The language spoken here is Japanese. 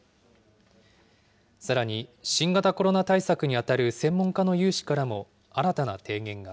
さらに新型コロナ対策に当たる専門家の有志からも、新たな提言が。